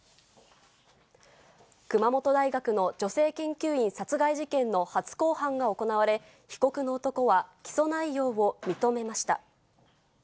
熊本大学の女性研究員殺害事件の初公判が行われ、被告の男は起訴内容を認めました。